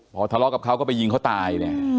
พอทะเลาะกับเขาก็ไปยิงเขาตายเนี่ย